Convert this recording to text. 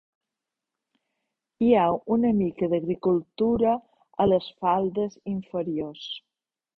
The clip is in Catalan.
Hi ha una mica d'agricultura a les faldes inferiors.